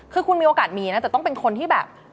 คือคุณมีโอกาสมีนะแต่ต้องเป็นคนที่แบบ